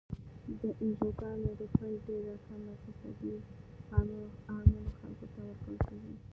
د انجوګانو د فنډ ډیره کمه فیصدي اړمنو خلکو ته ورکول کیږي.